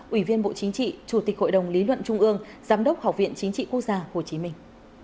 ủy viên bộ chính trị chủ tịch hội đồng lý luận trung ương giám đốc học viện chính trị quốc gia hồ chí minh